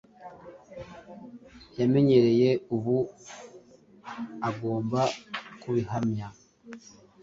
yamenyereye, ubu ngomba kubihamya,